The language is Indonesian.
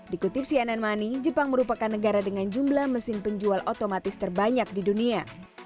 dikutip cnn money jepang merupakan negara dengan jumlah mesin penjual otomatis terbanyak di dunia